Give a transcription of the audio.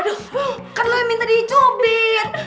aduh kan lo yang minta dicubit